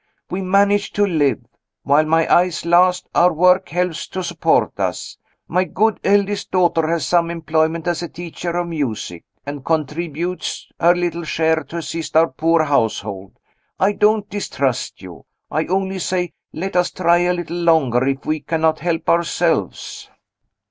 We manage to live. While my eyes last, our work helps to support us. My good eldest daughter has some employment as a teacher of music, and contributes her little share to assist our poor household. I don't distrust you I only say, let us try a little longer if we cannot help ourselves."